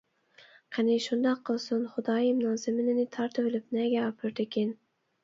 قېنى شۇنداق قىلسۇن، خۇدايىمنىڭ زېمىنىنى تارتىۋېلىپ نەگە ئاپىرىدىكىن!